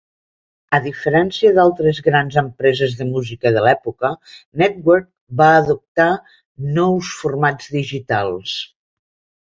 A diferència d'altres grans empreses de música de l'època, Nettwerk va adoptar nous formats digitals.